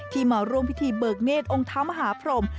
มาร่วมพิธีเบิกเนธองค์เท้ามหาพรม